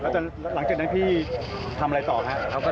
แล้วหลังจากนั้นพี่ทำอะไรต่อครับ